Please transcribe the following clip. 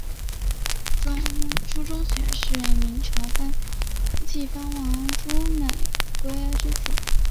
朱钟铉是明朝晋藩王朱美圭之子。